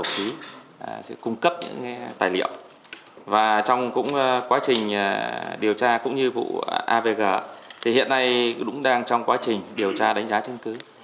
đồng chí sẽ cung cấp những tài liệu và trong quá trình điều tra cũng như vụ avg thì hiện nay cũng đang trong quá trình điều tra đánh giá chứng cứ